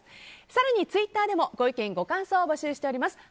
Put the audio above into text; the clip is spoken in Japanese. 更に、ツイッターでもご意見、ご感想を募集します。